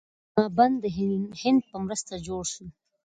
سلما بند د هند په مرسته جوړ شو